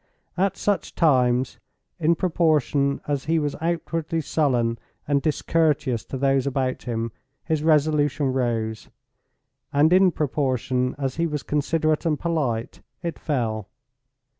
At such times, in proportion as he was outwardly sullen and discourteous to those about him, his resolution rose; and in proportion as he was considerate and polite, it fell.